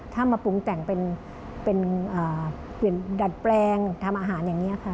ถ้ามาปรุงแต่งเป็นเปลี่ยนดัดแปลงทำอาหารอย่างนี้ค่ะ